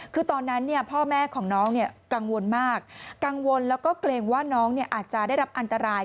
คือตอนนั้นพ่อแม่ของน้องกังวลมากกังวลแล้วก็เกรงว่าน้องอาจจะได้รับอันตราย